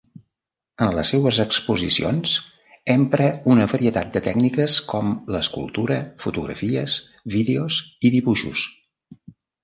En les seues exposicions empra una varietat de tècniques, com l'escultura, fotografies, vídeos i dibuixos.